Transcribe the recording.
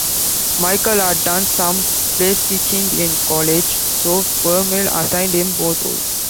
Michel had done some placekicking in college, so Vermeil assigned him both roles.